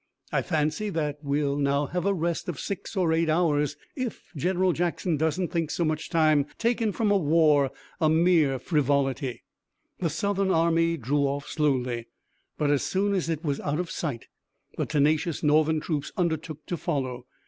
I fancy that we'll now have a rest of six or eight hours, if General Jackson doesn't think so much time taken from war a mere frivolity." The Southern army drew off slowly, but as soon as it was out of sight the tenacious Northern troops undertook to follow.